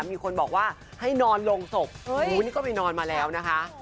มีคนบอกว่าให้นอนลงศพนี่ก็ไปนอนมาแล้วนะคะ